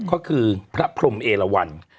ก็คือพระพรมเอลวัน